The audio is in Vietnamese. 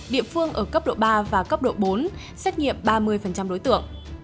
địa phương ở cấp độ ba và cấp độ bốn xét nghiệm ba mươi đối tượng